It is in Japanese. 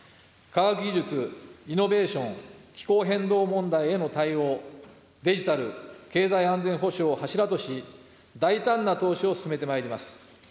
科学技術・イノベーション、気候変動問題への対応、デジタル、経済安全保障を柱とし、大胆な投資を進めてまいります。